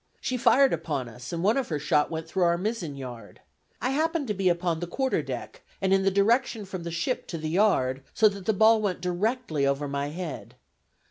She fired upon us, and one of her shot went through our mizzen yard. I happened to be upon the quarter deck, and in the direction from the ship to the yard, so that the ball went directly over my head.